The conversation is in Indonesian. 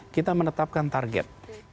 kita menetapkan target